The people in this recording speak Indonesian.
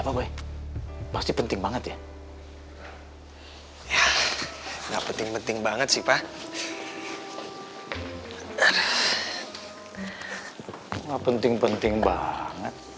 wah penting penting banget